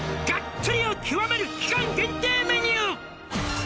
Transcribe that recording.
「ガッツリを極める期間限定メニュー」